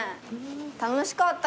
楽しかった。